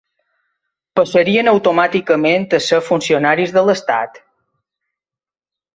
Passarien automàticament a ser funcionaris de l’estat?